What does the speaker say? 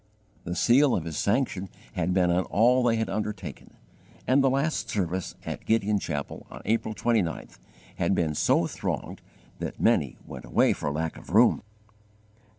The seal of His sanction had been on all they had undertaken, and the last service at Gideon Chapel on April 29th had been so thronged that many went away for lack of room.